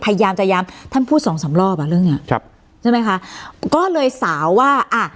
พยายามจะย้ำท่านพูดสองสามรอบอ่ะเรื่องเนี้ยครับใช่ไหมคะก็เลยสาวว่าอ่ะ